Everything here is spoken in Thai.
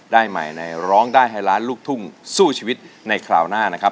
ได้ใหม่ในร้องได้ให้ล้านลูกทุ่งสู้ชีวิตในคราวหน้านะครับ